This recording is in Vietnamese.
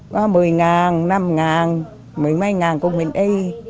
có một mươi năm mấy ngàn cũng mình đi